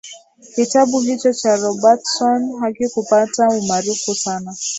kitabu hicho cha robertson hakikupata umaarufu sana